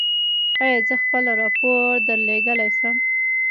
ایا زه خپل راپور درلیږلی شم؟